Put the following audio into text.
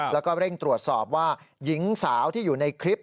แล้วก็เร่งตรวจสอบว่าหญิงสาวที่อยู่ในคลิป